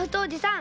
ん？